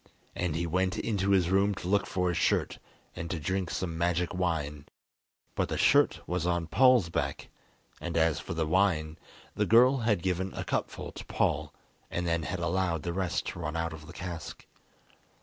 And he went into his room to look for his shirt and to drink some magic wine, but the shirt was on Paul's back, and as for the wine, the girl had given a cupful to Paul and then had allowed the rest to run out of the cask.